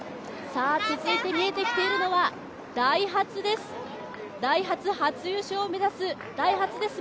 続いて見えてきているのはダイハツです。